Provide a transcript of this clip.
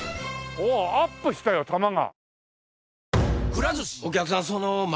おおアップしたよ球が。